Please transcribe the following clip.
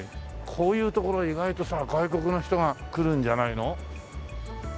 こういう所意外とさ外国の人が来るんじゃないの？